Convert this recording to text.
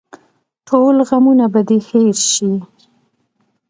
ټول غمونه به دې هېر شي.